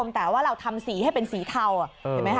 แต่ว่าเราทำสีให้เป็นสีเทา